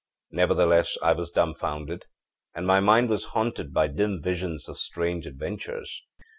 âNevertheless I was dumfounded, and my mind was haunted by dim visions of strange adventures.